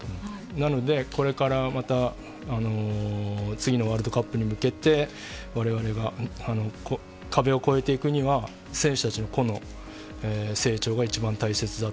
なので、これからまた次のワールドカップに向けてわれわれが壁を越えていくには選手たちの個の成長が一番大切だ。